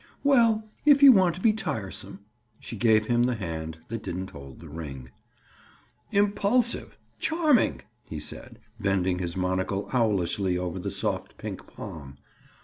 "Well, if you want to be tiresome." She gave him the hand that didn't hold the ring. "Impulsive! Charming!" he said, bending his monocle owlishly over the soft pink palm.